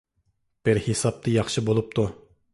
بىر ھېسابتا ياخشى بولۇپتۇ.